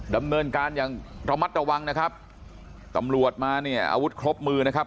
ดำเนินการอย่างระมัดระวังนะครับตำรวจมาเนี่ยอาวุธครบมือนะครับ